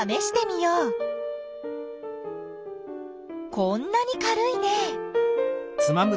こんなに軽いね。